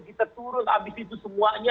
kita turun habis itu semuanya